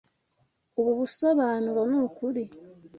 Ubu busobanuro nukuri